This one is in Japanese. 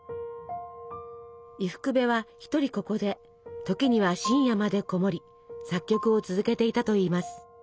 伊福部は一人ここで時には深夜までこもり作曲を続けていたといいます。